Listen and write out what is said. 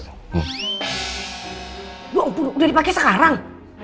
udah dipake sekarang